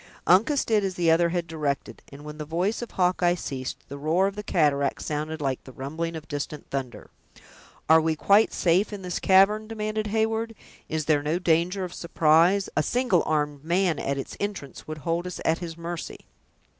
Uncas did as the other had directed, and when the voice of Hawkeye ceased, the roar of the cataract sounded like the rumbling of distant thunder. "Are we quite safe in this cavern?" demanded Heyward. "Is there no danger of surprise? A single armed man, at its entrance, would hold us at his mercy."